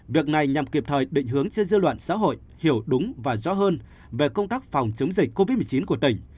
việc này nhằm kịp thời định hướng cho dư luận xã hội hiểu đúng và rõ hơn về công tác phòng chống dịch covid một mươi chín của tỉnh